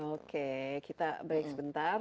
okay kita break sebentar